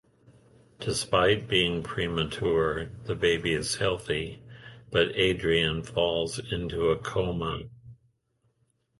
Despite being premature, the baby is healthy, but Adrian falls into a coma.